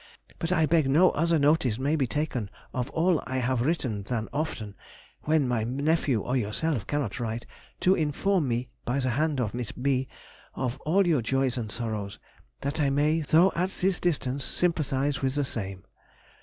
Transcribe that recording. But I beg no other notice may be taken of all I have written than often—when my nephew or yourself cannot write—to inform me by the hand of Miss B—— of all your joys and sorrows, that I may, though at this distance, sympathise with the same.